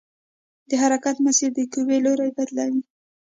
د حرکت مسیر د قوې لوری بدلوي.